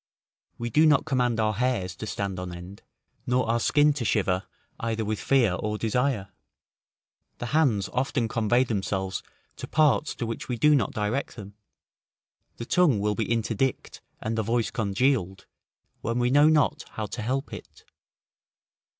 We do not command our hairs to stand on end, nor our skin to shiver either with fear or desire; the hands often convey themselves to parts to which we do not direct them; the tongue will be interdict, and the voice congealed, when we know not how to help it.